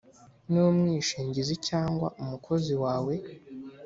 n umwishingizi cyangwa umukozi wawe